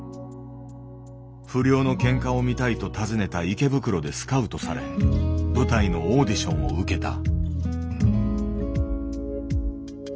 不良のケンカを見たいと訪ねた池袋でスカウトされ舞台のオーディションを受けた。